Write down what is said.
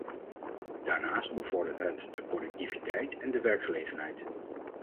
Daarnaast bevordert het de productiviteit en de werkgelegenheid.